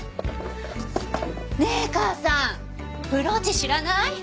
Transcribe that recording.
ねえ母さんブローチ知らない？